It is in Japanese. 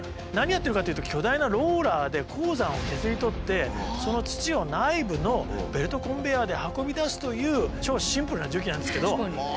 何やってるかというと巨大なローラーで鉱山を削り取ってその土を内部のベルトコンベヤーで運び出すという超シンプルな重機なんですけど。